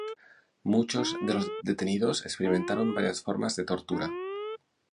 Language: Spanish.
Muchos de los detenidos experimentaron varias formas de tortura.